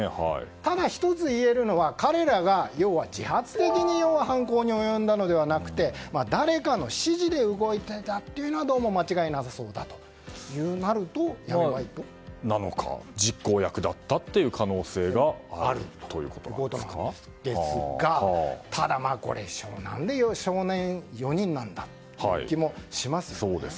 ただ１つ、言えるのは彼らが要は自発的に犯行に及んだのではなくて誰かの指示で動いていたというのも間違いなさそうだとなるとそれか実行役だった可能性がですが、何で少年４人なのかという気もします。